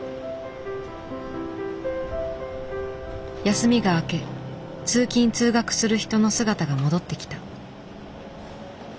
休みが明け通勤通学する人の姿が戻ってきた。